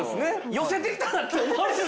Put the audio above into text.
寄せてきたって思われるからね。